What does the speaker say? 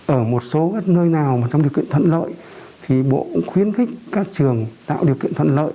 ở một số nơi nào mà trong điều kiện thuận lợi thì bộ cũng khuyến khích các trường tạo điều kiện thuận lợi